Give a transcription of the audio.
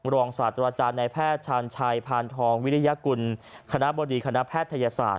รองศาสตราจารย์ในแพทย์ชาญชัยพานทองวิริยกุลคณะบดีคณะแพทยศาสต